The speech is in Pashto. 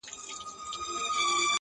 o گراني زر واره درتا ځار سمه زه.